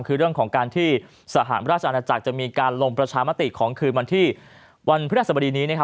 คือเรื่องของการที่สหราชอาณาจักรจะมีการลงประชามติของคืนวันที่วันพฤหัสบดีนี้